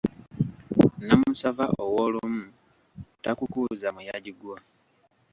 Namusava ow’olumu takukuuza muyaji gwo.